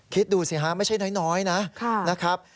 คิดดูสิฮะไม่ใช่น้อยนะครับ